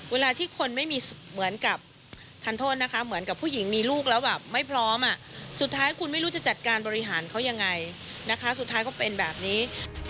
เวลาที่คนไม่มีเหมือนกับทานโทษนะคะเหมือนกับผู้หญิงมีลูกแล้วแบบไม่พร้อมสุดท้ายคุณไม่รู้จะจัดการบริหารเขายังไงนะคะสุดท้ายเขาเป็นแบบนี้